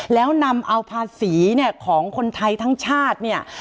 แล้วนำเอาภาษีเนี่ยของคนไทยทั้งชาติเนี่ย